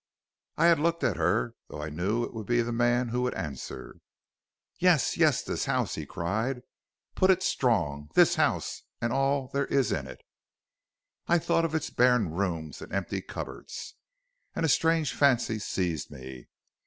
"I had looked at her, though I knew it would be the man who would answer. "'Yes, yes, this house,' he cried. 'Put it strong; this house and all there is in it.' "I thought of its barren rooms and empty cupboards, and a strange fancy seized me.